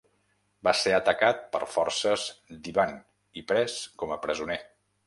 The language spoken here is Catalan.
Va ser atacat per forces d'Ivan i pres com a presoner.